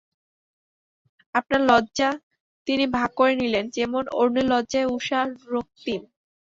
আপনার লজ্জা তিনি ভাগ করে নিলেন, যেমন অরুণের লজ্জায় উষা রক্তিম।